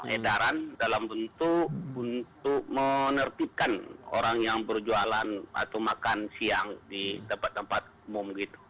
edaran dalam bentuk untuk menertibkan orang yang berjualan atau makan siang di tempat tempat umum